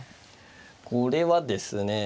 これはですね